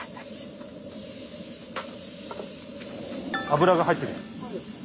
油が入ってる。